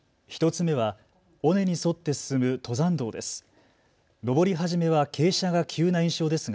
１つ目は尾根に沿って進む登山道です。